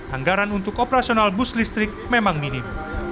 anggaran untuk operasional bus listrik memang minim